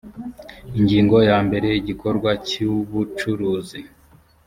ingingo ya mbere igikorwa cy ubucuruzi